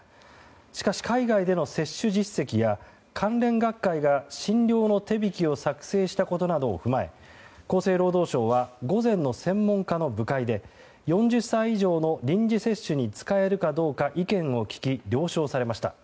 しかし、海外での接種実績や関連学会が診療の手引を作成したことなどを踏まえ厚生労働省は午前の専門家の部会で４０歳以上の臨時接種に使えるかどうか意見を聞き、了承されました。